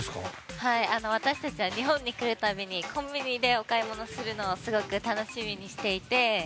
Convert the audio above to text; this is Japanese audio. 私たちは日本に来る度にコンビニでお買い物するのをすごく楽しみにしていて。